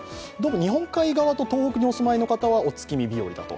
日本海側と東北にお住まいの方はお月見日和だと。